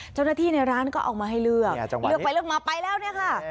เจ้าหน้าที่ในร้านก็เอามาให้เลือกเลือกไปเลือกมาไปแล้วเนี่ยค่ะ